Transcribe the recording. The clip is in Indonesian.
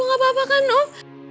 lu gak apa apa kan ruf